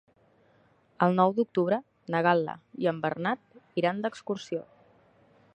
El nou d'octubre na Gal·la i en Bernat iran d'excursió.